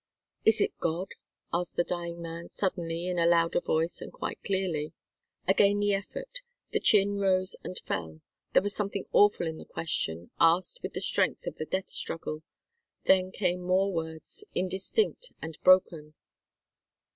"Is it God?" asked the dying man, suddenly, in a louder voice and quite clearly. Again, in the effort, his chin rose and fell. There was something awful in the question, asked with the strength of the death struggle. Then came more words, indistinct and broken.